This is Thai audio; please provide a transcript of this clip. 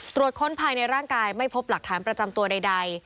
ค้นภายในร่างกายไม่พบหลักฐานประจำตัวใด